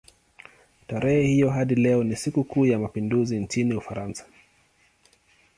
Tarehe hiyo hadi leo ni sikukuu ya mapinduzi nchini Ufaransa.